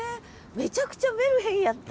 めちゃくちゃメルヘンやった。